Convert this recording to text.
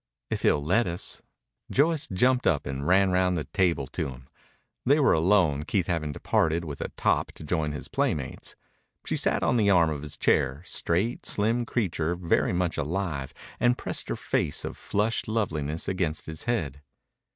"If he'll let us." Joyce jumped up and ran round the table to him. They were alone, Keith having departed with a top to join his playmates. She sat on the arm of his chair, a straight, slim creature very much alive, and pressed her face of flushed loveliness against his head.